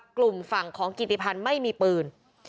กลุ่มฝั่งของกิติพันธ์ไม่มีปืน